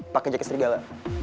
pakai jaket serigala